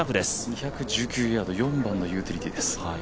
２１９ヤード、４番のユーティリティーです。